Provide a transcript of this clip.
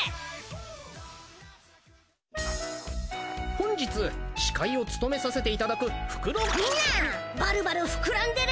本日司会を務めさせていただくフクロみんな？